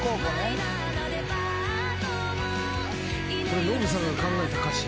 これノブさんが考えた歌詞？